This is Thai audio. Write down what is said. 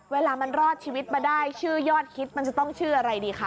เวลามันรอดชีวิตมาได้ชื่อยอดคิดมันจะต้องชื่ออะไรดีคะ